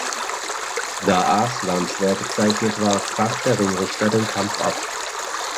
Da Arslan schwer gezeichnet war, brach der Ringrichter den Kampf ab.